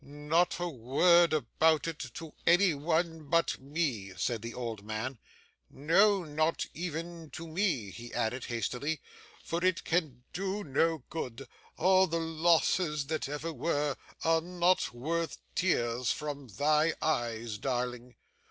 'Not a word about it to any one but me,' said the old man, 'no, not even to me,' he added hastily, 'for it can do no good. All the losses that ever were, are not worth tears from thy eyes, darling.